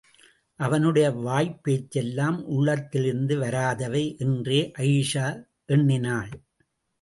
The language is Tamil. அவனுடைய வாய்ப் பேச்செல்லாம் உள்ளத்திலிருந்து வராதவை என்றே அயீஷா எண்ணினாள்.